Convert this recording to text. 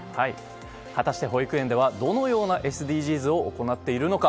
果たして、保育園ではどのようなＳＤＧｓを行っているのか。